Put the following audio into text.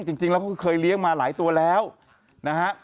จริงแล้วเขาเคยเลี้ยงมาหลายตัวแล้วนะฮะ